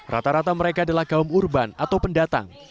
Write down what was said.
rata rata mereka adalah kaum urban atau pendatang